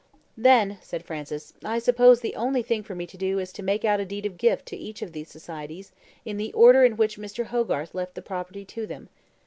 "Then," said Francis, "I suppose the only thing for me to do is to make out a deed of gift to each of these societies in the order in which Mr. Hogarth left the property to them.